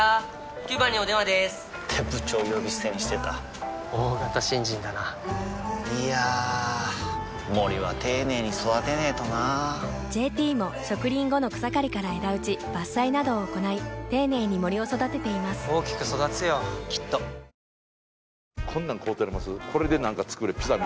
９番にお電話でーす！って部長呼び捨てにしてた大型新人だないやー森は丁寧に育てないとな「ＪＴ」も植林後の草刈りから枝打ち伐採などを行い丁寧に森を育てています大きく育つよきっと海鵑覆麈磴Δ燭蠅泙后┐┐